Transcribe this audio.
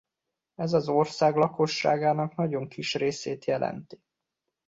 Ez az ország lakosságának nagyon kis részét jelenti.